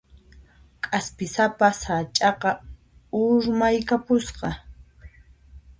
K'aspisapa sach'aqa urmaykapusqa.